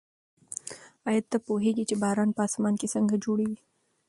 ایا ته پوهېږې چې باران په اسمان کې څنګه جوړېږي؟